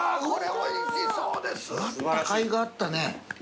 待ったかいがあったね。